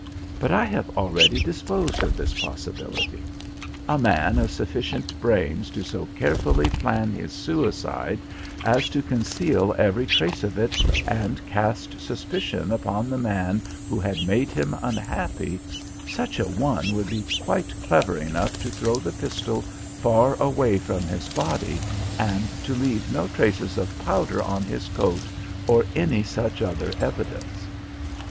But I have already disposed of this possibility. A man of sufficient brains to so carefully plan his suicide as to conceal every trace of it and cast suspicion upon the man who had made him unhappy, such a one would be quite clever enough to throw the pistol far away from his body and to leave no traces of powder on his coat or any such other evidence.